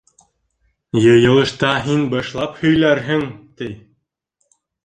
«Йыйылышта һин башлап һөйләрһең!» - ти.